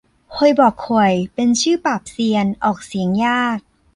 ฮวยบ่อข่วย เป็นชื่อปราบเซียน ออกเสียงยาก